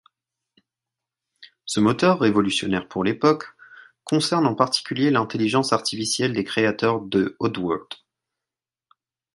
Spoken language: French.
Ce moteur, révolutionnaire pour l'époque, concerne en particulier l'intelligence artificielle des créatures de Oddworld.